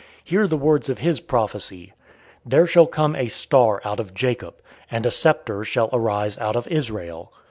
Hear the words of his prophecy: 'There shall come a star out of Jacob, and a sceptre shall arise out of Israel.'"